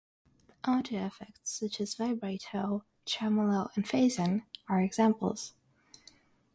Audio effects such as vibrato, tremolo and phasing are examples.